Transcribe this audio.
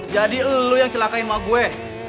jadi lo yang celakain emak gue